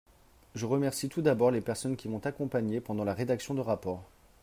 Je remercie tout d’abord les personnes qui m’ont accompagnée pendant la rédaction de rapport.